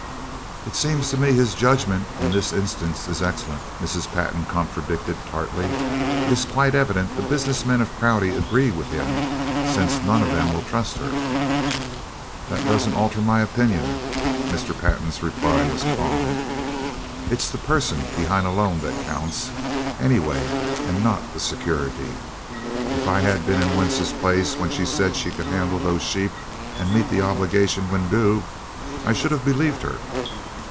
"It seems to me his judgment in this instance is excellent," Mrs. Pantin contradicted tartly. "It's quite evident the business men of Prouty agree with him, since none of them will trust her." "That doesn't alter my opinion." Mr. Pantin's reply was calm. "It's the person behind a loan that counts, anyway not the security. If I had been in Wentz's place when she said she could handle those sheep and meet the obligation when due, I should have believed her."